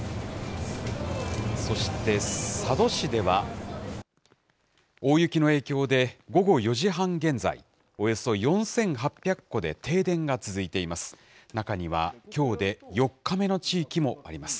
そして佐渡市では、大雪の影響で、午後４時半現在、およそ４８００戸で停電が続いています。